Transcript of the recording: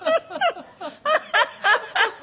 ハハハハ。